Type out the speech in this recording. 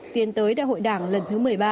tiến tới đại hội đảng lần thứ một mươi ba